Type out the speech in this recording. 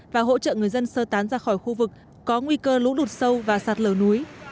và hỗ trợ người dân sơ tán ra khỏi khu vực có nguy cơ lũ lụt sâu và sạt lở núi